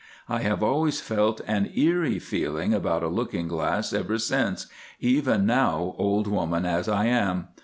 I have always felt an eerie feeling about a looking glass ever since, even now, old woman as I am.